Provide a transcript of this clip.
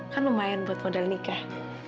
kan lumayan buat modal nikah